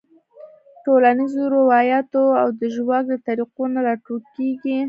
ټولنیزو رواياتو او د ژواک د طريقو نه راټوکيږي -